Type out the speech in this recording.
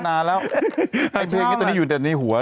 ไอ้เพลย์อยู่ด้วยเลยอยู่ด้วยหัว